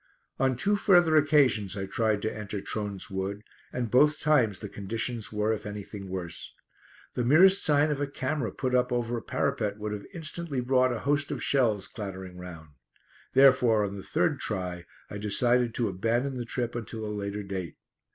On two further occasions I tried to enter Trones Wood, and both times the conditions were if anything worse. The merest sign of a camera put up over a parapet would have instantly brought a host of shells clattering round; therefore, on the third try, I decided to abandon the trip until a later date.